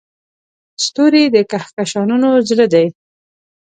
ستوري د کهکشانونو زړه دي.